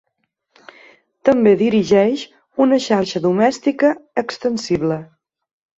També dirigeix una xarxa domèstica extensible.